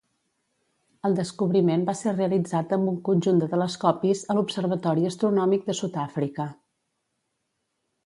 El descobriment va ser realitzat amb un conjunt de telescopis a l'Observatori Astronòmic de Sud-àfrica.